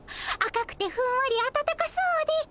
赤くてふんわりあたたかそうで。